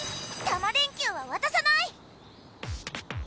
タマ電Ｑはわたさない！